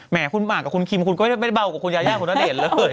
แหมคุณมากกว่าคุณคิมคุณก็ไม่เบากว่าคุณยายาคุณณเดชน์เลย